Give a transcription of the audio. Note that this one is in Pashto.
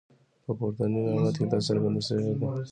په پورتني نعت کې دا څرګنده شوې ده.